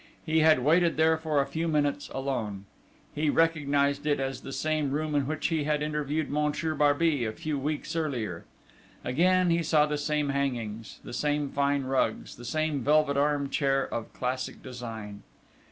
He had waited there for a few minutes alone. He recognised it as the same room in which he had interviewed Monsieur Barbey a few weeks earlier. Again he saw the same hangings, the same fine rugs, the same velvet arm chair of classic design.